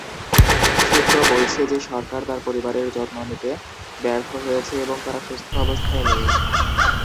সূত্র বলছে যে সরকার তার পরিবারের যত্ন নিতে ব্যর্থ হয়েছে এবং তারা সুস্থ অবস্থায় নেই।